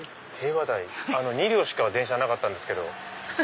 ２両しか電車なかったんですけど。